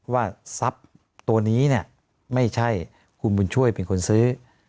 ว่าทรัพย์ตัวนี้ไม่ใช่คุณบุญช่วยเป็นคนซื้อ